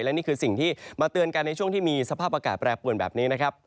และนี่คือสิ่งที่มาเตือนกันในช่วงที่มีสภาพอากาศแปรปวนแบบนี้นะครับ